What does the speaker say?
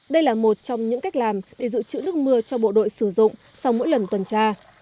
đây là một trong những cách làm để dự trữ nước mưa cho bộ đội sử dụng sau mỗi lần tuần tra